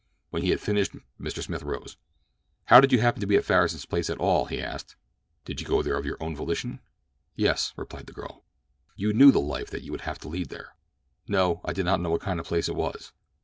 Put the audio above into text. When he had finished Mr. Smith arose. "How did you happen to be at Farris's place at all?" he asked. "Did you go there of your own volition?" "Yes," replied the girl. "You knew the life that you would have to lead there?" "No; I did not know what kind of place it was."